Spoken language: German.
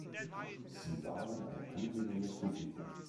Sie waren ein angenehmes Publikum.